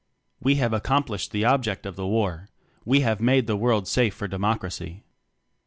We have accomplished the object of the War: We have made the World safe for Democracy.